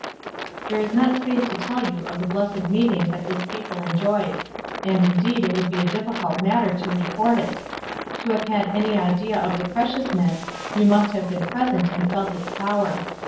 There is not space to tell you of the blessed meeting that this people enjoyed ; and indeed it would be a difficult matter to report it. To have had any idea of its preciousness you must have been present and felt its power.